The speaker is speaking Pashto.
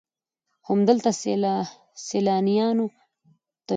همدلته سیلانیانو ته ویزې ورکول کېدې.